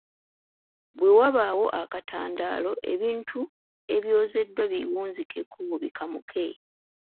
Bwe wabaawo akatandaalo, ebintu ebyozeddwa biwunzikeko bikamuke.